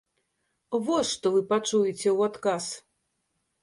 Вось, што вы пачуеце ў адказ.